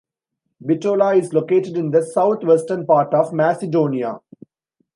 Bitola is located in the southwestern part of Macedonia.